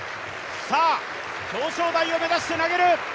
さあ、表彰台を目指して投げる